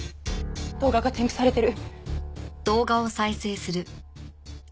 動画が添付されてる。